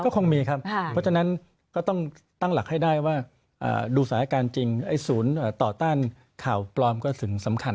ก็คงมีครับเพราะฉะนั้นก็ต้องตั้งหลักให้ได้ว่าดูสถานการณ์จริงไอ้ศูนย์ต่อต้านข่าวปลอมก็สิ่งสำคัญ